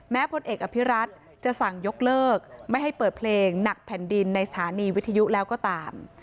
พลเอกอภิรัตน์จะสั่งยกเลิกไม่ให้เปิดเพลงหนักแผ่นดินในสถานีวิทยุแล้วก็ตาม